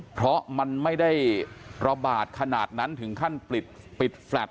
เพราะมันไม่ได้ระบาดขนาดนั้นถึงขั้นปิดแฟลต